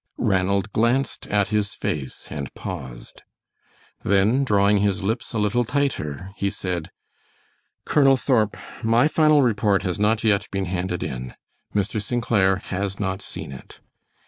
Ranald glanced at his face, and paused. Then drawing his lips a little tighter, he said: "Colonel Thorp, my final report has not yet been handed in. Mr. St. Clair has not seen it.